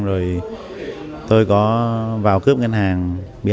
rồi tôi có vào cướp ngân hàng bidv